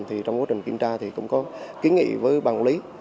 thì trong quá trình kiểm tra thì cũng có kiến nghị với bàn quản lý